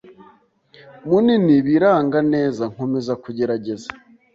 munini biranga neza, nkomeza kugerageza